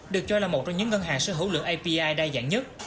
được cho là một trong những ngân hàng sở hữu lượng api đa dạng nhất